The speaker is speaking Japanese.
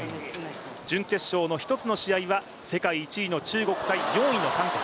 準決勝の１つの試合は世界１位の中国対４位の韓国。